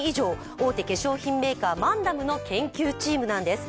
大手化粧品メーカーマンダムの研究チームなんです。